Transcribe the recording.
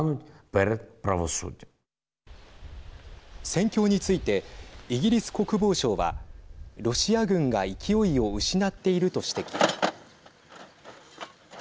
戦況についてイギリス国防省はロシア軍が勢いを失っていると指摘。